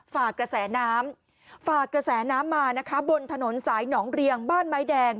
ฝากกระแสน้ำฝากกระแสน้ำมานะคะบนถนนสายหนองเรียงบ้านไม้แดง